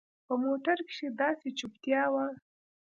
په موټر کښې داسې چوپتيا وه.